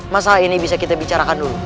masalah ini bisa kita bicarakan dulu